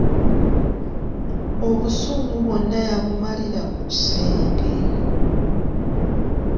Obusungu bwonna yabumalira ku kisenge.